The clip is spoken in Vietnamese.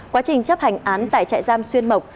quá trình chấp hành án tại trại giam xuyên mộc